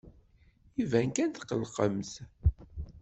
Iban kan tetqellqemt.